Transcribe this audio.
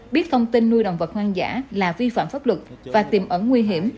biết thông tin nuôi động vật hoang dã là vi phạm pháp luật và tiềm ẩn nguy hiểm